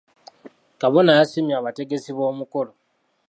Kabona yasimye abategesi b'omukolo.